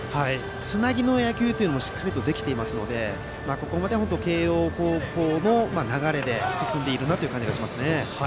つなぎの野球というのもしっかりとできていますのでここまでは慶応高校の流れで進んでいる感じですね。